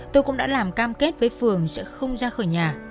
tôi cũng đã làm cam kết với phường sẽ không ra khỏi nhà